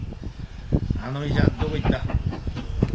あの医者はどこへ行った？